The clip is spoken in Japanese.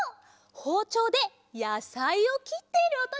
ほうちょうでやさいをきっているおとですわ！